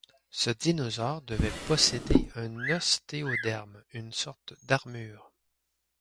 Ce dinosaure devait posséder un ostéoderme, une sorte d'armure.